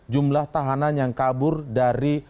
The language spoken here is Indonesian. jumlah tahanan yang kabur dari